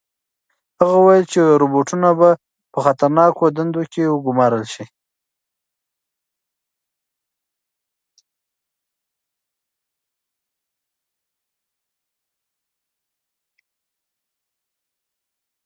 هغه وویل چې روبوټونه به په خطرناکو دندو کې وګمارل شي.